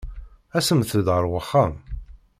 Asemt-d ar wexxam.